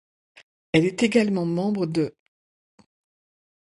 Elle est également membre de l'.